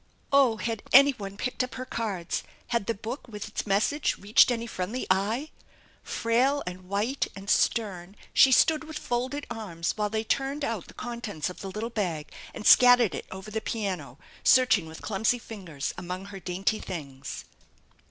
Oh, had anyone picked up her cards? Had the book with its message reached any friendly eye? Frail and white and stern she stood with folded arms while they turned out the contents of the little bag and scattered it over the piano, searching 1 with clumsy finger* among her dainty things.